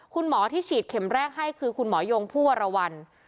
คุณหมอที่ฉีดเข็มแรกให้คือคุณหมอยงผู้วรวรรณ